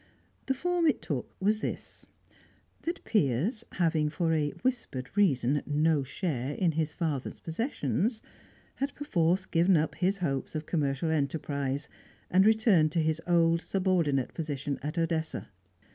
The form it took was this: That Piers, having for a whispered reason no share in his father's possessions, had perforce given up his hopes of commercial enterprise, and returned to his old subordinate position at Odessa.